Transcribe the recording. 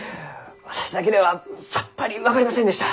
私だけではさっぱり分かりませんでした。